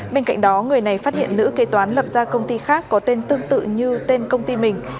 bên cạnh đó người này phát hiện nữ kế toán lập ra công ty khác có tên tương tự như tên công ty mình